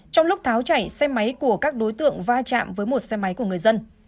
trong lúc tháo chảy xe máy của các đối tượng va chạm với một xe máy của người dân